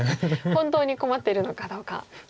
本当に困ってるのかどうか。